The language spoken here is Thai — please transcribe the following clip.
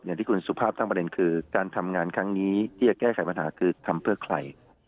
อย่างที่คุณสุภาพตั้งประเด็นคือการทำงานครั้งนี้ที่จะแก้ไขปัญหาคือทำเพื่อใคร